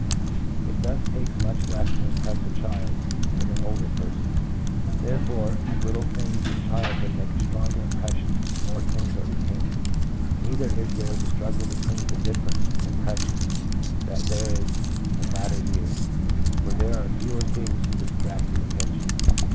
It thus takes much less to impress a child than an older person ; therefore little things in childhood make a stronger impression and more things are retained. Neither is there the struggle between the different impressions that there is in later years, for there are fewer things to distract the attention.